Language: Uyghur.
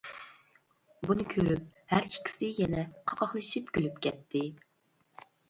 بۇنى كۆرۈپ ھەر ئىككىسى يەنە قاقاقلىشىپ كۈلۈپ كەتتى.